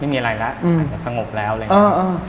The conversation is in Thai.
ไม่มีอะไรแล้วอาจจะสงบแล้วเลยนะ